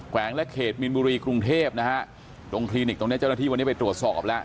วงและเขตมีนบุรีกรุงเทพนะฮะตรงคลินิกตรงเนี้ยเจ้าหน้าที่วันนี้ไปตรวจสอบแล้ว